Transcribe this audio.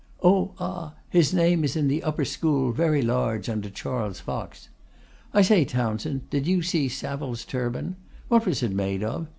Oh! ah! his name is in the upper school, very large, under Charles Fox. I say, Townshend, did you see Saville's turban? What was it made of?